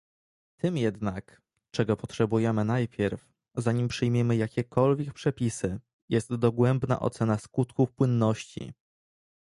Tym jednak, czego potrzebujemy najpierw, zanim przyjmiemy jakiekolwiek przepisy, jest dogłębna ocena skutków płynności